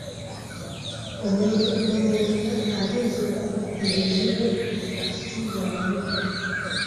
Omuntu gw'onyoma ayinza okuba nga ewuwwe wakitibwa nnyo .